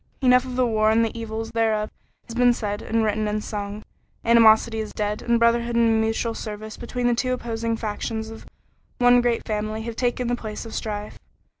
Enough of the war and the evils thereof has been said and written and sung. Animosity is dead, and brotherhood and mutual service between the two opposing factions of one great family have taken the place of strife.